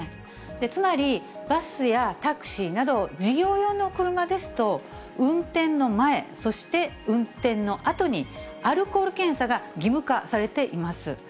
つまり、バスやタクシーなど、事業用の車ですと、運転の前、そして運転のあとに、アルコール検査が義務化されています。